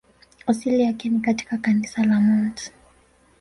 Asili yake ni katika kanisa la Mt.